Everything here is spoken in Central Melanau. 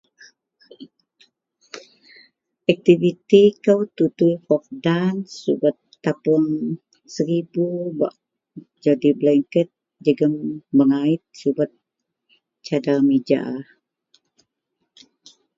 [unintelligible] aktiviti kou tutui fork dance, subet tapuong seribu bak jadi belengket jegem mengait subet cadar mija